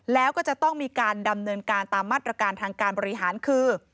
แล้วก็จะต้องมีการดำเนินการตามมาตรการทางการบริหารคือ